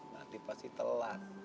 nanti pasti telat